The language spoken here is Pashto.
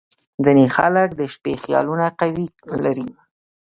• ځینې خلک د شپې خیالونه قوي لري.